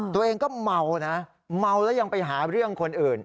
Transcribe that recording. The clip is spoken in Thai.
ตัวเองก็เมานะเมาแล้วยังไปหาเรื่องคนอื่น